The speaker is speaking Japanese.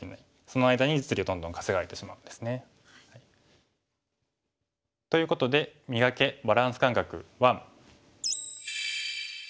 その間に実利をどんどん稼がれてしまうんですね。ということで「磨け！バランス感覚１」。